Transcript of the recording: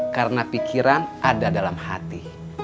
karena pikiran ada dalam hati